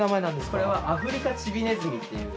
これはアフリカチビネズミっていう。